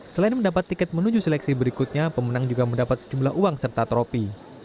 selain mendapat tiket menuju seleksi berikutnya pemenang juga mendapat sejumlah uang serta tropi